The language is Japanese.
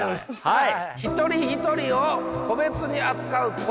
はい。